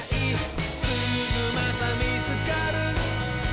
「すぐまたみつかる」